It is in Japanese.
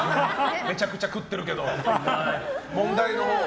めちゃくちゃ食ってるけど。